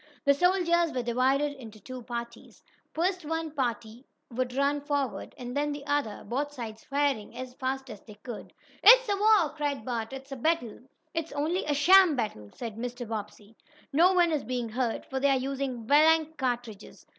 The soldiers were divided into two parties. First one party would run forward, and then the other, both sides firing as fast as they could. "It's a war!" cried Bert. "It's a battle!" "It's only a sham battle!" said Mr. Bobbsey. "No one is being hurt, for they are using blank cartridges.